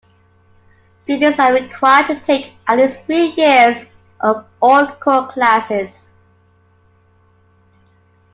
Students are required to take at least three years of all core classes.